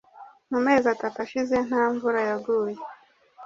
mu mezi atatu ashize nta mvura yaguye